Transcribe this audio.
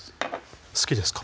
好きですか？